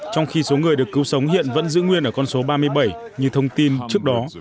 trong khi số người được cứu sống hiện vẫn giữ nguyên ở con số ba mươi bảy như thông tin trước đó